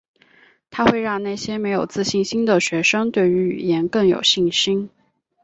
它会让那些没有自信心的学生对于语言更有信心。